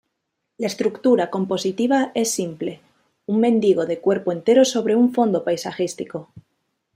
La estructura compositiva es simple: un mendigo de cuerpo entero sobre un fondo paisajístico.